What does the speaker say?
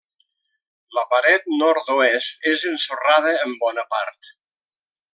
La paret nord-oest és ensorrada en bona part.